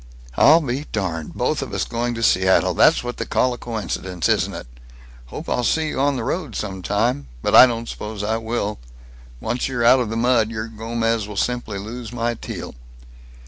"I'll be darned. Both of us going to Seattle. That's what they call a coincidence, isn't it! Hope I'll see you on the road, some time. But I don't suppose I will. Once you're out of the mud, your Gomez will simply lose my Teal."